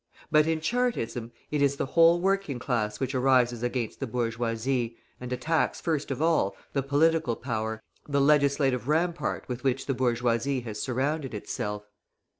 But in Chartism it is the whole working class which arises against the bourgeoisie, and attacks, first of all, the political power, the legislative rampart with which the bourgeoisie has surrounded itself.